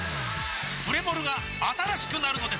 プレモルが新しくなるのです！